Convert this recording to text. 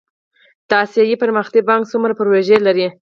د اسیا پرمختیایی بانک څومره پروژې لري؟